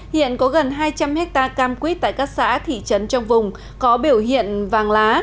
hiện có gần hai trăm linh hectare cam quýt tại các xã thị trấn trong vùng có biểu hiện vàng lá